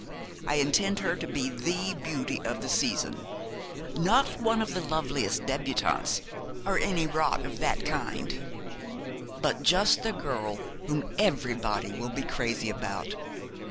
I intend her to be the beauty of the season not one of the loveliest debutantes, or any rot of that kind but just the girl whom everybody will be crazy about.